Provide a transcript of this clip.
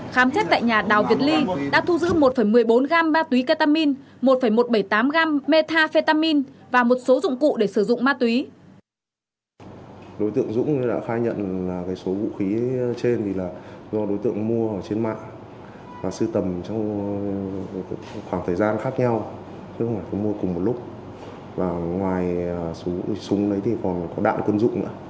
khám xét tại nhà đào việt ly đã thu giữ một một mươi bốn gam ma túy ketamin một một trăm bảy mươi tám gam metafetamin và một số dụng cụ để sử dụng ma túy